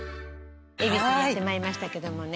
恵比寿にやって参りましたけどもね。